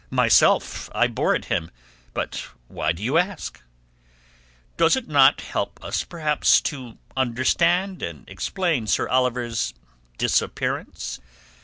"Myself I bore it him. But why do you ask?" "Does it not help us perhaps to understand and explain Sir Oliver's disappearance?